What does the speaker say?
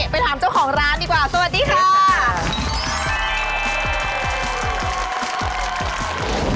ไปถามเจ้าของร้านดีกว่าสวัสดีค่ะ